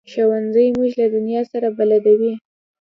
ښوونځی موږ له دنیا سره بلدوي